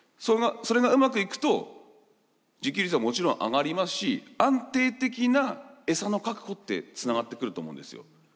それがうまくいくと自給率はもちろん上がりますし安定的なエサの確保ってつながってくると思うんですよ。